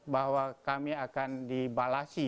bahwa kami akan dibalasi